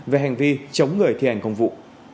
về hành vi chống người thi hành công vụ